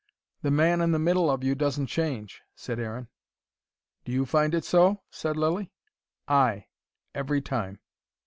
"The man in the middle of you doesn't change," said Aaron. "Do you find it so?" said Lilly. "Ay. Every time."